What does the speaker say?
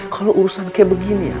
kalau urusan kayak begini